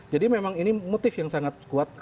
jadi memang ini motif yang sangat kuat